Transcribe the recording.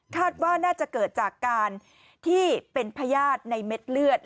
ว่าน่าจะเกิดจากการที่เป็นพญาติในเม็ดเลือด